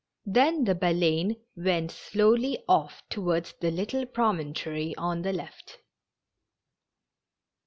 Then the Baleine went slowly off towards the little promontory on the left.